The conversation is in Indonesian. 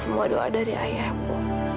semua doa dari ayahku